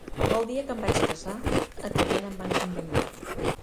El dia que em vaig casar a cadena em vaig condemnar.